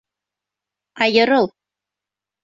Айырыл!